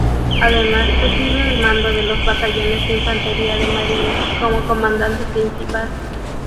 Además, recibe el mando de los batallones de infantería de marina como comandante principal.